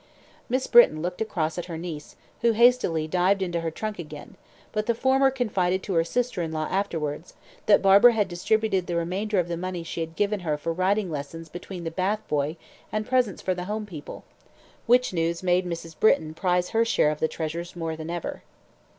Miss Britton looked across at her niece, who hastily dived into her trunk again; but the former confided to her sister in law afterwards, that Barbara had distributed the remainder of the money she had given her for riding lessons between the bath boy and presents for the home people, which news made Mrs. Britton prize her share of the treasures more than ever.